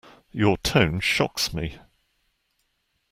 Your tone shocks me.